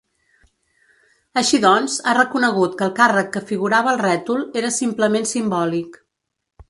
Així doncs, ha reconegut que el càrrec que figurava al rètol era simplement simbòlic.